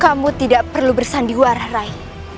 kamu tidak perlu bersandiwar rai